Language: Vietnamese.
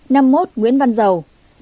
năm mươi một nguyễn văn dầu